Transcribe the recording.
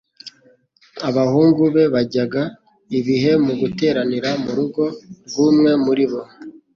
abahungu be bajyaga ibihe mu guteranira mu rugo rw'umwe muri bo